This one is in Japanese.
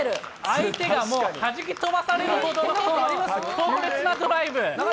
相手がもう、はじき飛ばされるほどの強烈なドライブ。